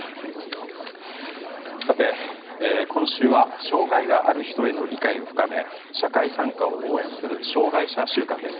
今週は障害がある人への理解を深め社会参加を応援する障害者週間です。